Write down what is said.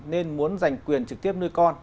nên muốn giành quyền trực tiếp nuôi con